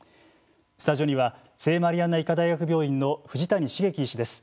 スタジオには聖マリアンナ医科大学病院の藤谷茂樹医師です。